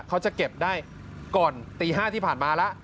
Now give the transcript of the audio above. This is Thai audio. เขาจะเก็บได้ก่อนตี๕ที่ผ่านมาแล้ว